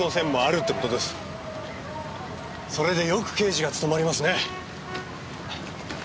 それでよく刑事が務まりますね。